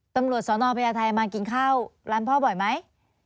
ตำรวจสนพญาไทยมากินข้าวร้านพ่อบ่อยไหม